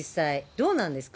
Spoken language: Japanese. どうなんですか？